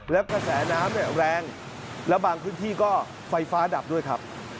แล้วกระแสน้ำเนี่ยแรงแล้วบางพื้นที่ก็ไฟฟ้าดับด้วยครับ